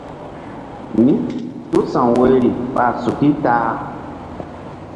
Mítúsa̧w woyri ɓa suki ta-a.